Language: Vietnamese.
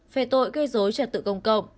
phê tội gây dối trật tự công cộng